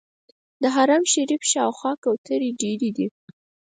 د حرم شریف شاوخوا کوترې ډېرې دي.